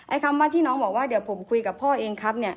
คำว่าที่น้องบอกว่าเดี๋ยวผมคุยกับพ่อเองครับเนี่ย